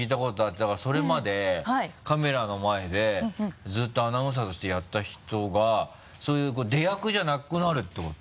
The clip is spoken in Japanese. だからそれまでカメラの前でずっとアナウンサーとしてやってた人がそういう出役じゃなくなるってこと？